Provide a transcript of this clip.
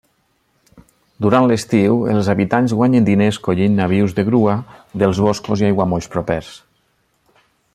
Durant l'estiu, els habitants guanyen diners collint nabius de grua dels boscos i aiguamolls propers.